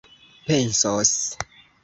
pensos